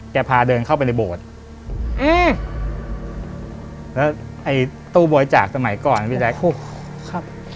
พาเดินเข้าไปในโบสถ์อืมแล้วไอ้ตู้บริจาคสมัยก่อนพี่แจ๊คครับ